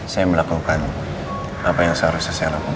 saya melakukan apa yang seharusnya saya lakukan